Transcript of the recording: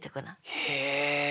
へえ。